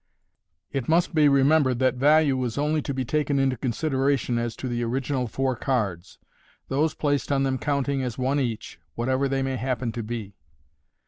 (It must be remembered that value is only to be taken into consideration as to the original four cards, those placed on them counting as one each, whatever they may happen to be.)